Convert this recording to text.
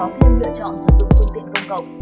có thêm lựa chọn sử dụng phương tiện công cộng